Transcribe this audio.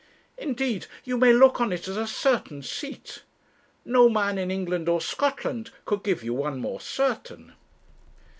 Indeed you may look on it as a certain seat. No man in England or Scotland could give you one more certain.'